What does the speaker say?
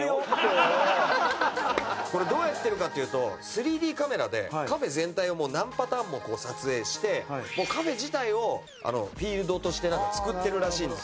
これどうやってるかというと３Ｄカメラでカフェ全体をもう何パターンも撮影してカフェ自体をフィールドとして作ってるらしいんですよ。